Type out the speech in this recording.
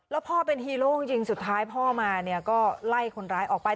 แล้วพ่อเป็นฮีโร่จริงสุดท้ายพ่อมาเนี่ยก็ไล่คนร้ายออกไป